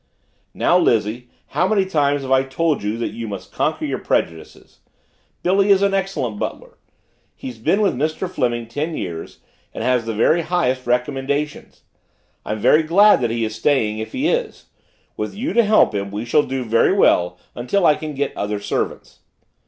"Now, Lizzie, how many times have I told you that you must conquer your prejudices? Billy is an excellent butler he'd been with Mr. Fleming ten years and has the very highest recommendations. I am very glad that he is staying, if he is. With you to help him, we shall do very well until I can get other servants."